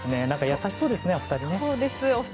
優しそうですね、お二人。